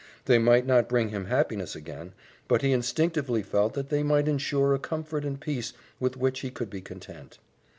They might not bring him happiness again, but he instinctively felt that they might insure a comfort and peace with which he could be content.